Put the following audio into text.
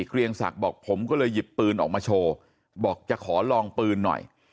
เกรียงศักดิ์บอกผมก็เลยหยิบปืนออกมาโชว์บอกจะขอลองปืนหน่อย